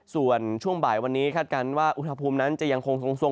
ส่วนช่วงบ่ายวันนี้คาดการณ์ว่าอุณหภูมินั้นจะยังคงทรง